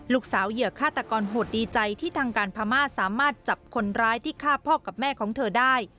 เหยื่อฆาตกรโหดดีใจที่ทางการพม่าสามารถจับคนร้ายที่ฆ่าพ่อกับแม่ของเธอได้